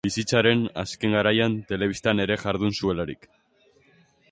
Bizitzaren azken garaian telebistan ere jardun zuelarik.